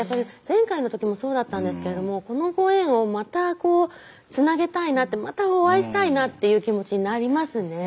前回の時もそうだったんですけれどもこのご縁をまたこうつなげたいなってまたお会いしたいなっていう気持ちになりますね。